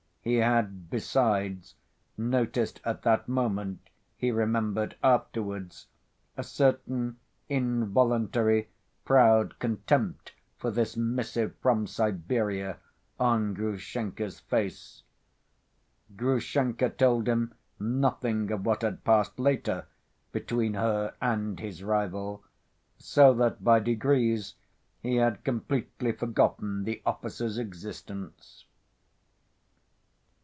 He had, besides, noticed at that moment, he remembered afterwards, a certain involuntary proud contempt for this missive from Siberia on Grushenka's face. Grushenka told him nothing of what had passed later between her and this rival; so that by degrees he had completely forgotten the officer's existence.